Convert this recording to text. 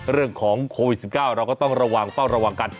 เรื่องของโควิด๑๙เราก็ต้องระวังเฝ้าระวังกัน